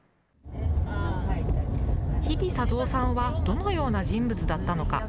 日比左三さんはどのような人物だったのか。